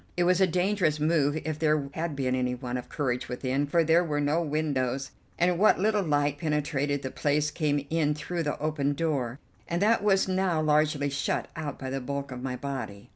It was a dangerous move if there had been anyone of courage within, for there were no windows, and what little light penetrated the place came in through the open door, and that was now largely shut out by the bulk of my body.